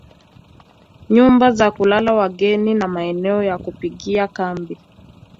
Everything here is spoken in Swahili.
Nyumba za kulala wageni na maeneo ya kupigia kambi